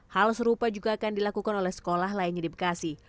hal serupa juga akan dilakukan oleh sekolah lainnya di bekasi